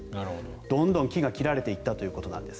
どんどん木が切られていったということです。